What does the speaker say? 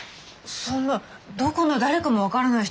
そんなどこの誰かも分からない人を。